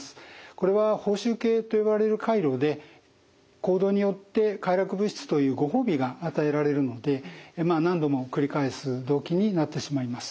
これは報酬系と呼ばれる回路で行動によって快楽物質というご褒美が与えられるので何度も繰り返す動機になってしまいます。